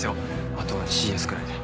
あとはＣＳくらいで。